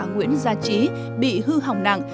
nguyễn gia trí bị hư hỏng nặng